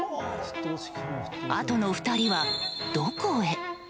あとの２人は、どこへ？